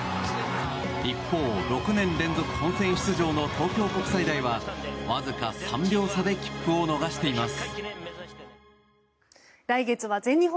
一方、６年連続本選出場の東京国際大はわずか３秒差で切符を逃しています。